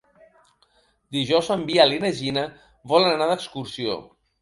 Dijous en Biel i na Gina volen anar d'excursió.